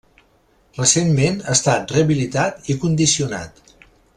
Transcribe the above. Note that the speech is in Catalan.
Recentment ha estat rehabilitat i condicionat.